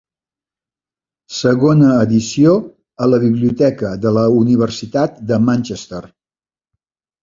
Segona edició a la biblioteca de la Universitat de Manchester.